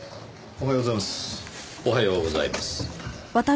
おはようございます。